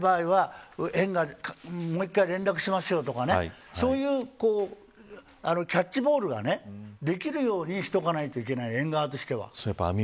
そうじゃない場合は園がもう一回連絡しますよとかそういうキャッチボールができるようにしておかないといけない、園側としては。